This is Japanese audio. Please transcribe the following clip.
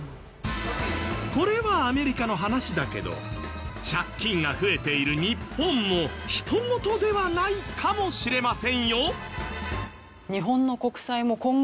これはアメリカの話だけど借金が増えている日本も人ごとではないかもしれませんよ。